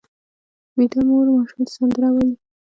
ویده مور ماشوم ته سندره وایي